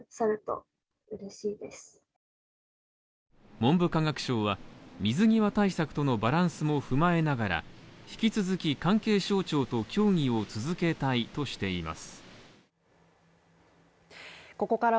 文部科学省は水際対策とのバランスも踏まえながら、引き続き関係省庁と協議を続けたいとしています。